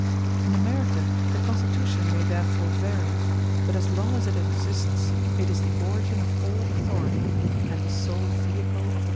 In America the constitution may therefore vary, but as long as it exists it is the origin of all authority, and the sole vehicle of the predominating force.